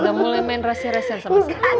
gak mulai main rahasia rahasia sama sama